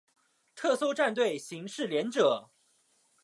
特搜战队刑事连者。